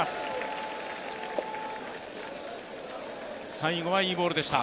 最後はいいボールでした。